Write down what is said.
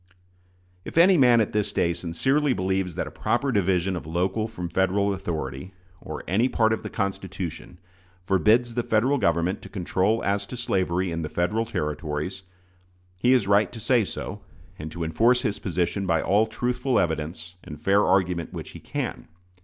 If any man at this day sincerely believes that a proper division of local from Federal authority, or any part of the Constitution, forbids the Federal Government to control as to slavery in the Federal Territories, he is right to say so, and to enforce his position by all truthful evidence and fair argument which he can.